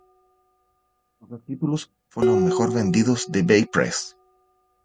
Estos dos títulos fueron los mejor vendidos de Bay Press.